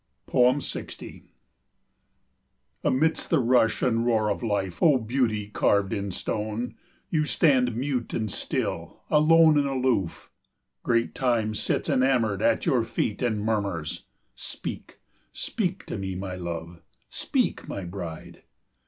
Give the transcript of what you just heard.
60 Amidst the rush and roar of life, O Beauty, carved in stone, you stand mute and still, alone and aloof. Great Time sits enamoured at your feet and murmurs: "Speak, speak to me, my love; speak, my bride!"